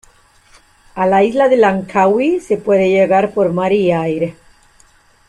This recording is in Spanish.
A la isla de Langkawi se puede llegar por mar y aire.